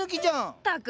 ったく！